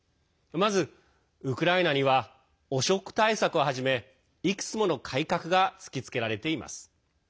まず、ウクライナには汚職対策をはじめいくつもの改革が突きつけられています。